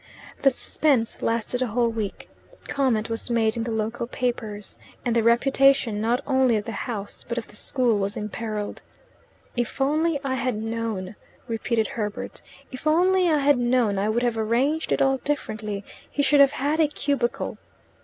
The suspense lasted a whole week. Comment was made in the local papers, and the reputation not only of the house but of the school was imperilled. "If only I had known," repeated Herbert "if only I had known I would have arranged it all differently. He should have had a cubicle."